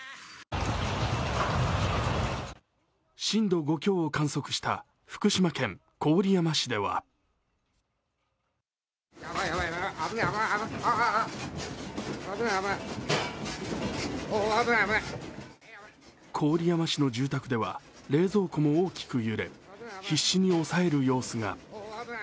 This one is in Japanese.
震度５強を観測した福島県郡山市では郡山市の住宅では冷蔵庫も大きく揺れ必死に押さえる様子が。